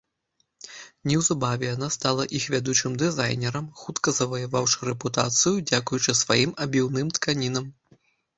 Неўзабаве яна стала іх вядучым дызайнерам, хутка заваяваўшы рэпутацыю дзякуючы сваім абіўным тканінам.